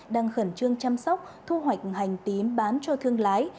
đang khẩn trương chăm sóc thu hoạch hành tím bán cho thương lái